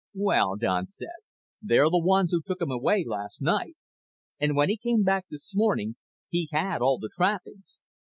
"Well," Don said, "they're the ones who took him away last night. And when he came back this morning he had all the trappings.